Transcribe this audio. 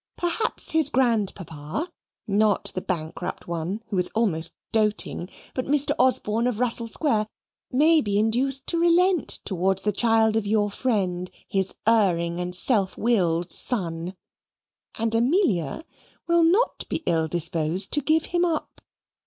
Perhaps his grandpapa, not the bankrupt one, who is almost doting, but Mr. Osborne, of Russell Square, may be induced to relent towards the child of your friend, HIS ERRING AND SELF WILLED SON. And Amelia will not be ill disposed to give him up.